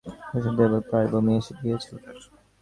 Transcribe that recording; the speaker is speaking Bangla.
পানিশূন্যতায় একবার প্রায় বমি এসে গিয়েছিল তাঁর।